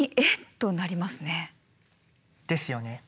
ですよね。